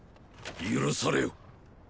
許されよ。